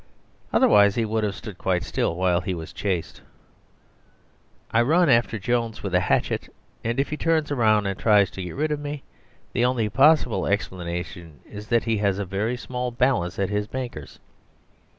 Otherwise he would have stood quite still while he was chased. I run after Jones with a hatchet, and if he turns round and tries to get rid of me the only possible explanation is that he has a very small balance at his bankers.